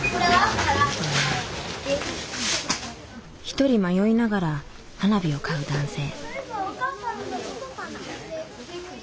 一人迷いながら花火を買う男性。